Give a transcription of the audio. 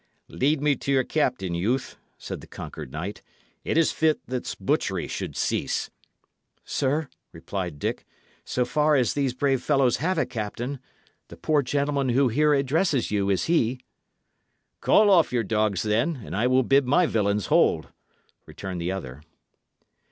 "Lead me to your captain, youth," said the conquered knight. "It is fit this butchery should cease." "Sir," replied Dick, "so far as these brave fellows have a captain, the poor gentleman who here addresses you is he." "Call off your dogs, then, and I will bid my villains hold," returned the other.